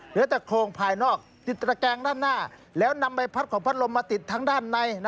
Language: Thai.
เหลือแต่โครงภายนอกติดตระแกงด้านหน้าแล้วนำใบพัดของพัดลมมาติดทั้งด้านใน